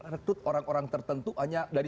rekrut orang orang tertentu hanya dari